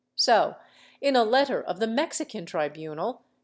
So, in a letter of the Mexican tri bunal.